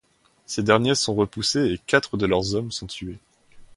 Ces derniers sont repoussés et quatre de leurs hommes sont tués.